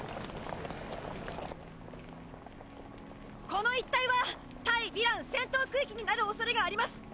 この一帯は対ヴィラン戦闘区域になる恐れがあります！